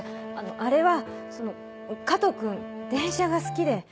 あれはその加藤君電車が好きで。